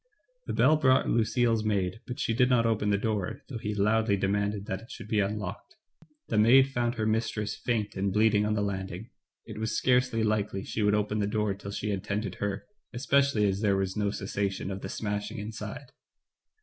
The bell brought Lucille's maid, but she did not open the door, though he loudly demanded that it should be unlocked. The maid found her mistress faint and bleeding on the landing ; it was scarcely likely she would open the door till she had tended her, especially as there was no cessation of the smashing inside.